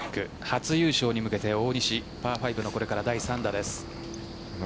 初優勝に向けて大西パー５のこれから第３打です。